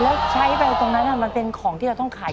แล้วใช้ไปตรงนั้นมันเป็นของที่เราต้องขาย